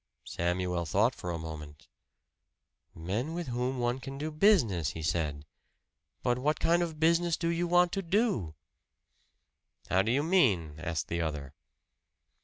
Samuel thought for a moment. "Men with whom one can do business," he said "but what kind of business do you want to do?" "How do you mean?" asked the other.